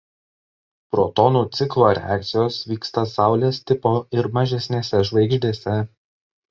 Protonų ciklo reakcijos vyksta Saulės tipo ir mažesnėse žvaigždėse.